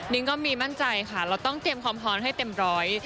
ก็มีมั่นใจค่ะเราต้องเตรียมความพร้อมให้เต็มร้อย